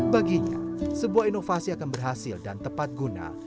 baginya sebuah inovasi akan berhasil dan tepat guna